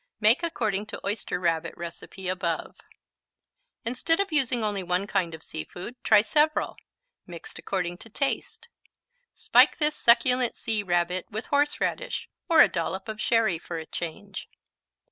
Make according to Oyster Rabbit recipe above. Instead of using only one kind of sea food, try several, mixed according to taste. Spike this succulent Sea Rabbit with horseradish or a dollop of sherry, for a change.